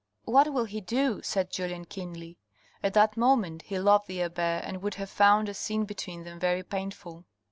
" What will he do ?" said Julien keenly. At that moment he loved the abbe, and would have found a scene between them very painful.